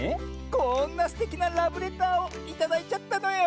こんなすてきなラブレターをいただいちゃったのよ！